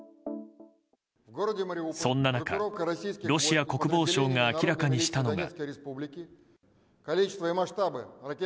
そんな中、ロシア国防省が明らかにしたのが。